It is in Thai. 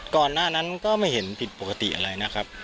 ก่อนหน้านั้นก็ไม่เห็นผิดปกติอะไรนะครับ